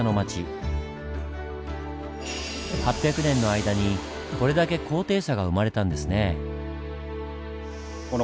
８００年の間にこれだけ高低差が生まれたんですねぇ。